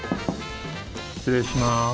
失礼します。